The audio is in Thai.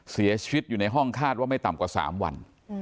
เสียชีวิตอยู่ในห้องคาดว่าไม่ต่ำกว่า๓วัน